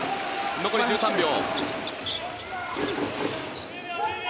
残り１３秒。